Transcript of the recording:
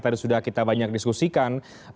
tadi sudah kita banyak diskusikan